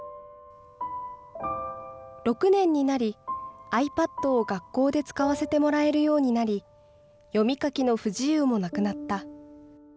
６年になり、ｉＰａｄを学校で使わせてもらえるようになり、読み書きの不自由もなくなった。